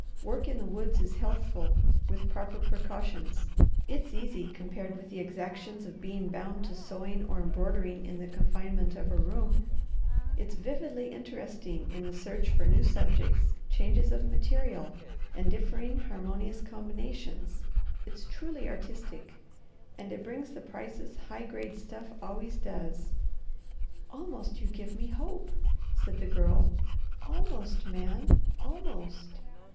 Work in the woods is healthful, with proper precautions; it's easy compared with the exactions of being bound to sewing or embroidering in the confinement of a room; it's vividly interesting in the search for new subjects, changes of material, and differing harmonious combinations; it's truly artistic; and it brings the prices high grade stuff always does." "Almost you give me hope," said the Girl. "Almost, Man almost!